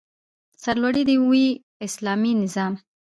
سرلوړی دې وي اسلامي نظام؟